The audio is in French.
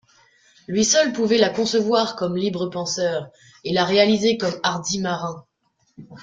Lui seul pouvait la concevoir comme libre penseur, et la réaliser comme hardi marin.